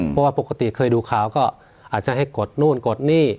เพราะว่าปกติเคยดูข่าวก็อาจจะให้กดนู่นกดนี่